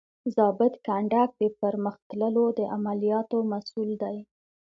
ضابط کنډک د پرمخ تللو د عملیاتو مسؤول دی.